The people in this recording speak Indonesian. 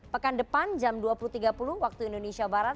pekan depan jam dua puluh tiga puluh waktu indonesia barat